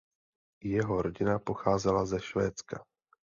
Jeho rodina pocházela ze Švédska.